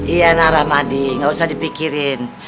iya nara mahdi gak usah dipikirin